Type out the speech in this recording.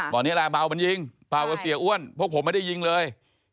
ตอนนี้อะไรบ่าวมันยิงบ่าวก็เสียอ้วนพวกผมไม่ได้ยิงเลย